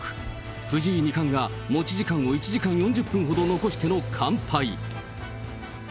藤井二冠が持ち時間を１時間４０分ほど残しての完敗。